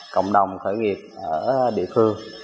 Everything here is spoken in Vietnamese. cộng đồng khởi nghiệp ở địa phương